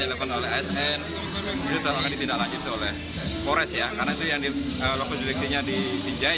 dilakukan oleh asn itu akan ditindak lanjut oleh kores ya karena itu yang dilakukan di sinjai